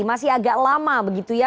masih agak lama begitu ya